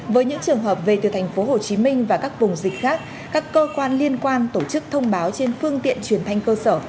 với những trường hợp về từ tp hcm và các vùng dịch khác các cơ quan liên quan tổ chức thông báo trên phương tiện truyền thanh cơ sở